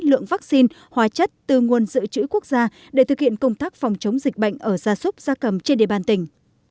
lượng vaccine hóa chất từ nguồn dự trữ quốc gia để thực hiện công tác phòng chống dịch bệnh ở gia súc gia cầm trên địa bàn tỉnh